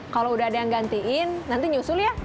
kalau udah ada yang gantiin nanti nyusul ya